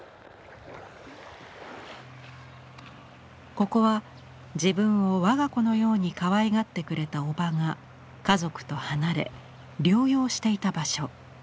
ここは自分を我が子のようにかわいがってくれたおばが家族と離れ療養していた場所。